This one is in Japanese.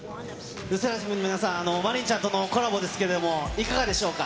ＬＥＳＳＥＲＡＦＩＭの皆さん、真凜ちゃんとのコラボですけれども、いかがでしょうか。